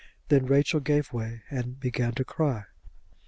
Then Rachel gave way and began to cry.